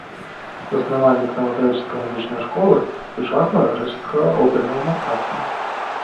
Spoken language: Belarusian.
Заснавальнік навагрэчаскай музычнай школы, сучаснага грэчаскага опернага мастацтва.